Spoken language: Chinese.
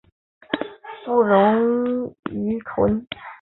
不溶于醇。